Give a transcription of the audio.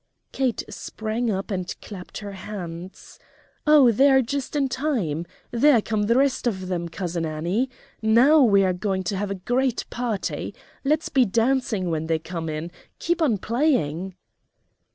Kate sprang up and clapped her hands. "Oh, they are just in time! There come the rest of them, Cousin Annie. Now we are going to have a great party! Let's be dancing when they come in; keep on playing!"